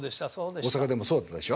大阪でもそうだったでしょ？